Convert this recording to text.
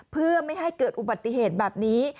เพื่อไม่ให้เกิดอุบัติเหตุแบบนี้